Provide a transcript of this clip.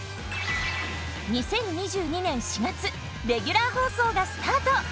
２０２２年４月レギュラー放送がスタート！